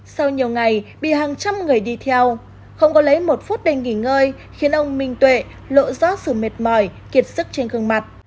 sau nhiều ngày bị hàng trăm người đi theo không có lấy một phút đêm nghỉ ngơi khiến ông minh tuệ lộ rót sự mệt mỏi kiệt sức trên gương mặt